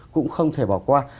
cũng không thể bỏ qua